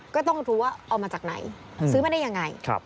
ก็ต้องรู้ว่าเอามาจากไหนซื้อมาได้ยังไง